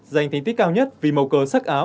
dành thành tích cao nhất vì mầu cờ sắc áo